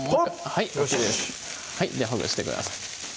はいＯＫですではほぐしてください